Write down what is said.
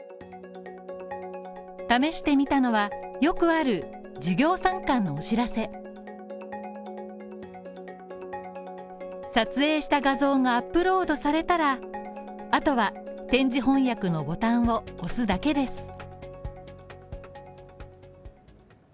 試してみたのはよくある授業参観のお知らせ撮影した画像がアップロードされたら、あとは点字翻訳のボタンを押すだけです。